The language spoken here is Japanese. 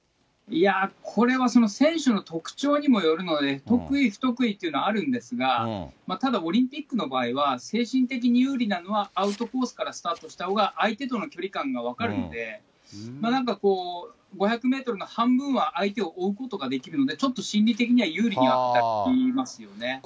いや、これは選手の特徴にもよるので、得意、不得意というのはあるんですが、ただオリンピックの場合は、精神的に有利なのは、アウトコースからスタートしたほうが、相手との距離感が分かるんで、なんかこう、５００メートルの半分は相手を追うことができるので、ちょっと心理的には有利になるといいますよね。